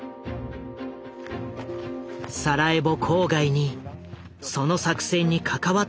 サラエボ郊外にその作戦に関わった男が見つかった。